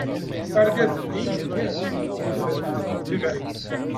Argaz-nni yekker, itebɛ-it.